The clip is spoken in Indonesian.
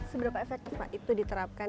seberapa efektif pak itu diterapkan